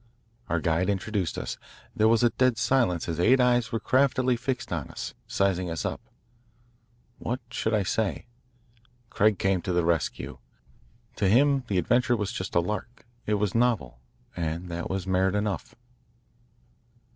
Our guide introduced us. There was a dead silence as eight eyes were craftily fixed on us, sizing us up. What should I say? Craig came to the rescue. To him the adventure was a lark. It was novel, and that was merit enough.